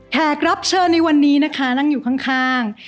แขกรับเชิญในวันนี้นะคะนั่งอยู่ข้าง